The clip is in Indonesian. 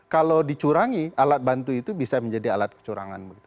kalau dicurangi alat bantu itu bisa menjadi alat kecurangan